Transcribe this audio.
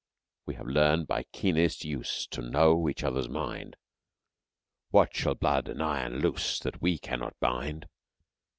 We have learned by keenest use to know each other's mind: What shall blood and iron loose that we cannot bind?